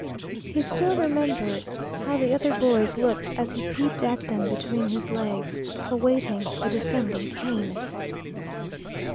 He still remembered how the other boys looked as he peeped at them between his legs, awaiting the descending cane.